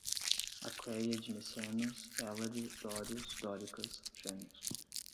Aqueia de Micenas, Hélade, dórios, dóricas, genos